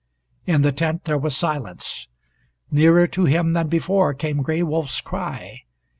In the tent there was silence. Nearer to him than before came Gray Wolf's cry.